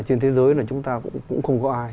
trên thế giới là chúng ta cũng không có ai